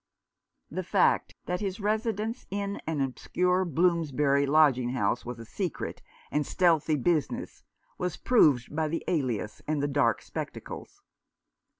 The fact that his residence in an obscure Bloomsbury lodging house was a secret and stealthy business was proved by the alias and the dark spectacles.